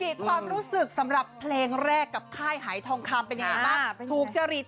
แล้วยุกิความรู้สึกสำหรับเพลงแรกกับค่ายหายทองคำเป็นไงบ้าง